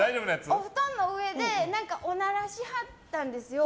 お布団の上でおならしはったんですよ。